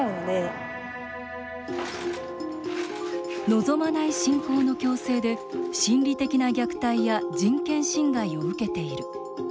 「望まない信仰の強制で心理的な虐待や人権侵害を受けている」。